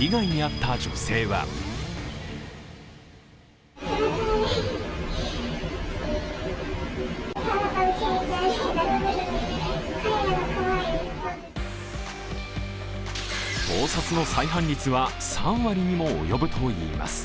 被害に遭った女性は盗撮の再犯率は３割にも及ぶといいます。